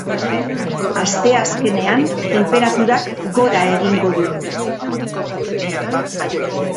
Asteazkenean tenperaturak gora egingo du.